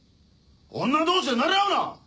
女同士でなれ合うな！